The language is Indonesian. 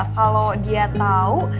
kalo dia tau